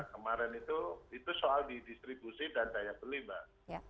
kemarin itu soal di distribusi dan daya beli mbak